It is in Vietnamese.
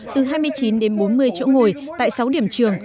từ hai mươi chín đến bốn mươi chỗ ngồi tại sáu điểm trường